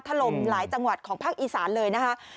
ถล่มหลายจังหวัดของภาคอีสานเลยนะคะ